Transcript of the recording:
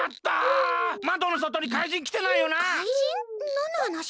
なんのはなし？